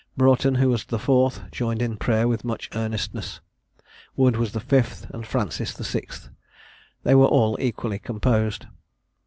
Broughton, who was the fourth, joined in prayer with much earnestness. Wood was the fifth, and Francis the sixth. They were all equally composed.